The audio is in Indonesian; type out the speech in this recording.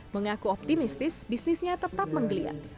mengaku optimistis bisnisnya tetap menggeliat